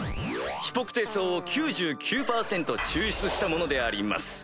ヒポクテ草を９９％抽出したものであります。